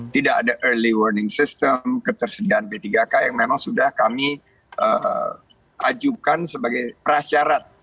tidak ada early warning system ketersediaan b tiga k yang memang sudah kami ajukan sebagai prasyarat